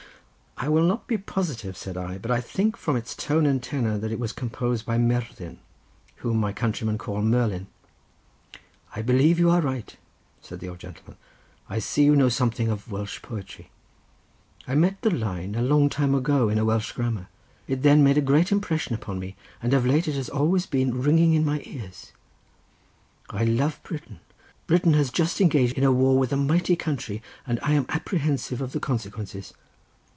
'" "I will not be positive," said I, "but I think from its tone and tenor that it was composed by Merddyn, whom my countrymen call Merlin." "I believe you are right," said the old gentleman, "I see you know something of Welsh poetry. I met the line, a long time ago, in a Welsh grammar. It then made a great impression upon me and of late it has always been ringing in my ears. I love Britain. Britain has just engaged in a war with a mighty country, and I am apprehensive of the consequences.